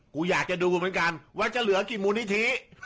กูอยากจะดูเหมือนกันว่าจะเหลือกี่มูลนิธิ